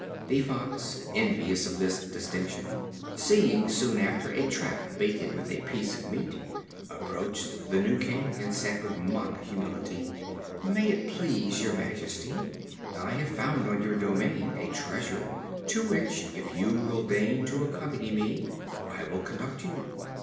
The Fox, envious of this distinction, seeing, soon after, a trap baited with a piece of meat, approached the new king, and said with mock humility: "May it please your majesty, I have found on your domain a treasure, to which, if you will deign to accompany me, I will conduct you."